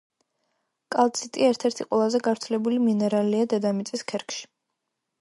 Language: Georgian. კალციტი ერთ-ერთი ყველაზე გავრცელებული მინერალია დედამიწის ქერქში.